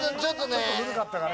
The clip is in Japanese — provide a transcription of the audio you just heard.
ちょっと古かったかね